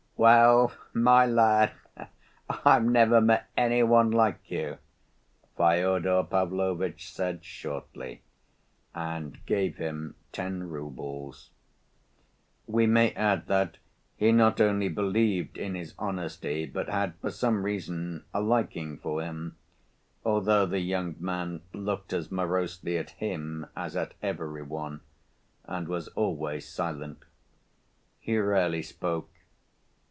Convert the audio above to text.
"Well, my lad, I've never met any one like you," Fyodor Pavlovitch said shortly, and gave him ten roubles. We may add that he not only believed in his honesty, but had, for some reason, a liking for him, although the young man looked as morosely at him as at every one and was always silent. He rarely spoke.